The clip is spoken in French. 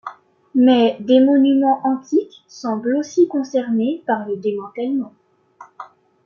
Mais, des monuments antiques semblent aussi concernés par le démantèlement.